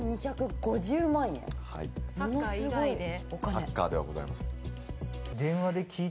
サッカーではございません。